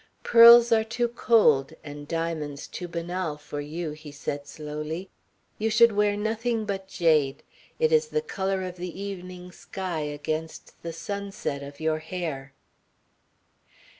"Pearls are too cold and diamonds too banal for you," he said slowly. "You should wear nothing but jade. It is the colour of the evening sky against the sunset of your hair."